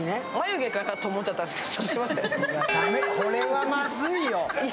駄目これはまずいよ。